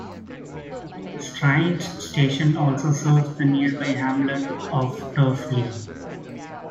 Strines station also serves the nearby hamlet of Turf Lea.